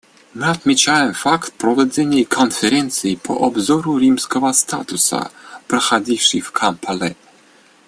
Мы отмечаем факт проведения Конференции по обзору Римского статута, проходившей в Кампале.